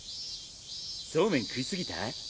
そうめん食い過ぎた？